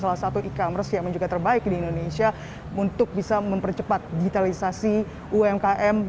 salah satu e commerce yang juga terbaik di indonesia untuk bisa mempercepat digitalisasi umkm